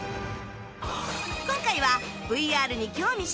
今回は ＶＲ に興味津々！